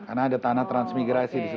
karena ada tanah transmigrasi disitu